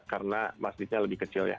karena masjidnya lebih kecil ya